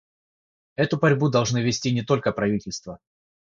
Эту борьбу должны вести не только правительства.